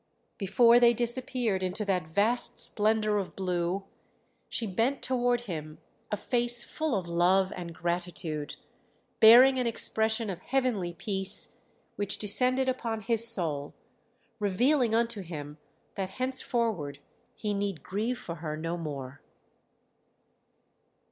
Before they disappeared into that vast splendour of blue, she bent toward him a face full of love and gratitude, bearing an expression of heavenly peace which descended upon his soul, revealing unto him that henceforward he need grieve for her no more.